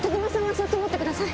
そっち持ってください。